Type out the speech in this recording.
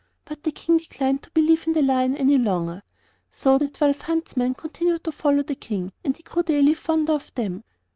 But the King declined to believe in the Lion any longer. So the twelve huntsmen continued to follow the King, and he grew daily fonder of them.